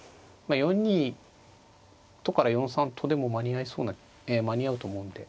４二とから４三とでも間に合いそうなええ間に合うと思うんで。